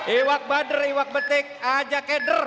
iwak badar iwak betik ajak eder